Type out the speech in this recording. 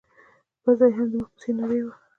پزه يې هم د مخ په څېر نرۍ وه.